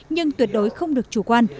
nhưng tuyệt đối không được chủ quan